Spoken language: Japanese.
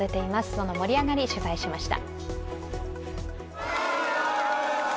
その盛り上がり取材しました。